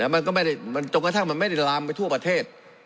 มันก็ไม่ได้จนกระทั่งมันไม่ได้ลามไปทั่วประเทศ